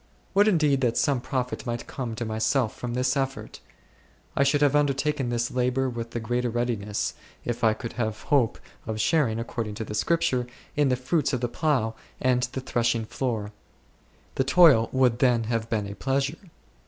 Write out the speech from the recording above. Would indeed that some profit might come to myself from this effort ! I should have undertaken this labour with the greater readi ness, if I could have hope of sharing, according to the Scripture, in the fruits of the plough and the threshing floor ; the toil would then have been a pleasure.